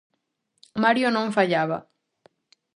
Mario non fallaba.